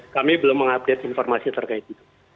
kami belum mengupdate informasi terkait itu